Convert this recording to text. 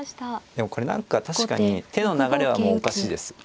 でもこれ何か確かに手の流れはもうおかしいです。